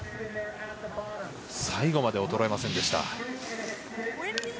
最後まで衰えませんでした。